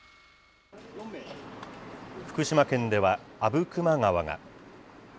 福島県では阿武隈川が。